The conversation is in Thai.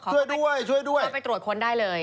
ช่วยด้วยช่วยด้วยช่วยไปตรวจค้นได้เลย